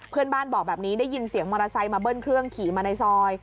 เพื่อนบ้านบอกแบบนี้ได้ยินเสียงมอเตอร์ไซค์มาเบิ้ลเครื่องขี่มาในซอย